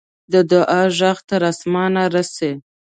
د دعا ږغ تر آسمانه رسي.